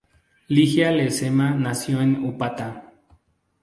Ligia Lezama nació en Upata.